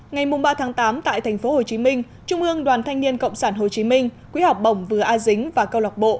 ngày ba tám tại tp hcm trung ương đoàn thanh niên cộng sản hồ chí minh quỹ học bổng vừa a dính và câu lạc bộ